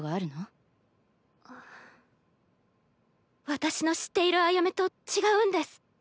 私の知っているアヤメと違うんです。